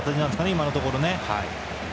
今のところ。